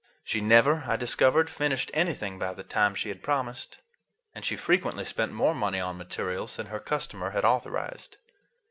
She never, I discovered, finished anything by the time she had promised, and she frequently spent more money on materials than her customer had authorized.